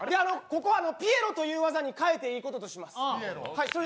ここはピエロという技に変えていいこととします。